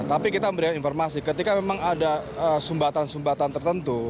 tapi kita memberikan informasi ketika memang ada sumbatan sumbatan tertentu